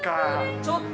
ちょっと。